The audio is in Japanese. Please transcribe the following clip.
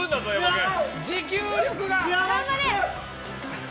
持久力が！